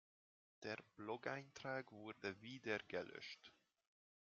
Der Blogeintrag wurde wieder gelöscht.